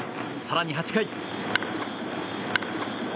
更に８回。